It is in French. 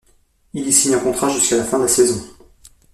Il y signe un contrat jusqu'à la fin de la saison.